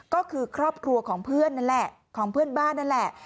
ก็คือครอบครัวของเพื่อนนั่นแหละของเพื่อนบ้านนั่นแหละ